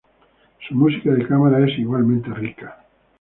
Su música de cámara es igualmente rica.